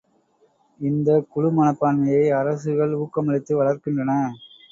இந்தக் குழு மனப்பான்மையை அரசுகள் ஊக்கமளித்து வளர்க்கின்றன.